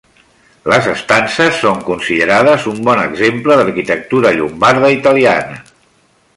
Les estances són considerades un bon exemple d’arquitectura llombarda italiana.